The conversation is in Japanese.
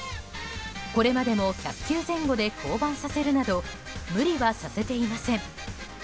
これまでも１００球前後で降板させるなど無理はさせていません。